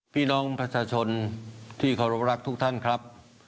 พี่น้องประชาชนที่เคารพรักทุกท่านครับ